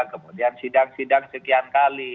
kemudian sidang sidang sekian kali